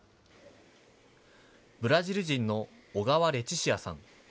ブラジル人のオガワ・レチシアさん